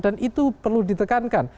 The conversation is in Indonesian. dan itu perlu ditekankan